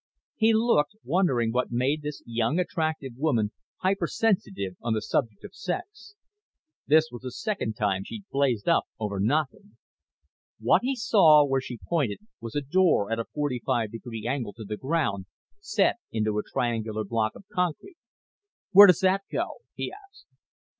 He looked, wondering what made this young attractive woman hypersensitive on the subject of sex. This was the second time she'd blazed up over nothing. What he saw where she pointed was a door at a 45 degree angle to the ground, set into a triangular block of concrete. "Where does that go?" he asked.